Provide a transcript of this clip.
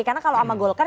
karena kalau sama golkar